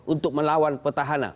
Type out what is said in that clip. untuk melawan petahana